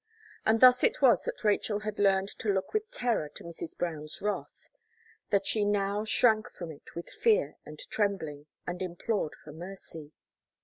And thus it was that Rachel had learned to look with terror to Mrs. Brown's wrath that she now shrank from it with fear and trembling, and implored for mercy.